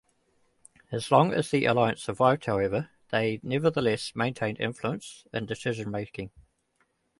As long as the Alliance survived, however, they nevertheless maintained influence in decision-making.